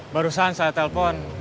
barusan saya telepon